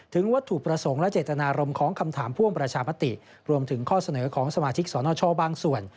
วัตถุประสงค์และเจตนารมณ์ของคำถามพ่วงประชามติรวมถึงข้อเสนอของสมาชิกสนชบางส่วน